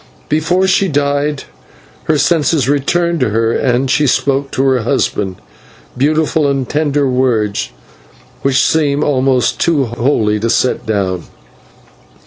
Before she died her senses returned to her, and she spoke to her husband beautiful and tender words which seem almost too holy to set down.